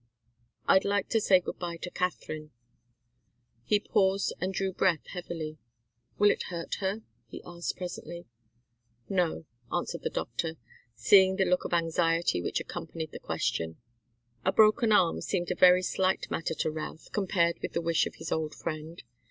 "I'd like to say good bye to Katharine." He paused and drew breath heavily. "Will it hurt her?" he asked, presently. "No," answered the doctor, seeing the look of anxiety which accompanied the question. A broken arm seemed a very slight matter to Routh, compared with the wish of his old friend.